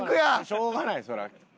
しょうがないそりゃ。